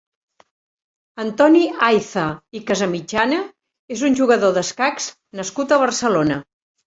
Antoni Ayza i Casamitjana és un jugador d'escacs nascut a Barcelona.